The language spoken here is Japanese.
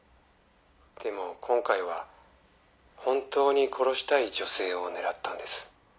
「でも今回は本当に殺したい女性を狙ったんです」